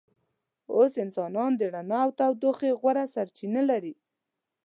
اوس انسانان د رڼا او تودوخې غوره سرچینه لري.